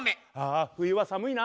あ冬は寒いな。